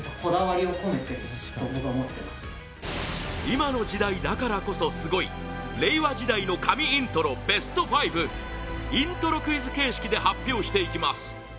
今の時代だからこそすごい令和時代の神イントロＢＥＳＴ５イントロクイズ形式で発表していきます